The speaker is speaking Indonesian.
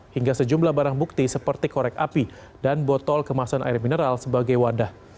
hingga sejumlah barang bukti seperti korek api dan botol kemasan air mineral sebagai wadah